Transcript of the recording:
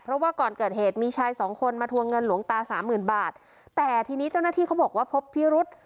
เพราะว่าก่อนเกิดเหตุมีชายสองคนมาทวงเงินหลวงตาสามหมื่นบาทแต่ทีนี้เจ้าหน้าที่เขาบอกว่าพบพิรุษ